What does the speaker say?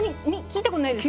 聞いたことないですね。